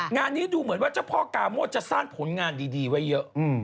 งานนี้ดูเหมือนว่าเจ้าพ่อกาโมดจะสร้างผลงานดีไว้เยอะ